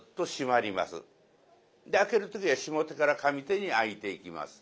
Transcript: で開ける時は下手から上手に開いていきます。